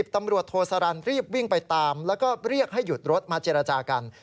ตำรวจโทสารันรีบวิ่งไปตามแล้วก็เรียกให้หยุดรถมาเจรจากัน